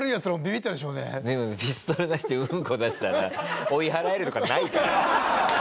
ピストル出してうんこ出したら追い払えるとかないから。